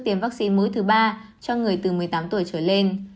tiêm vaccine mới thứ ba cho người từ một mươi tám tuổi trở lên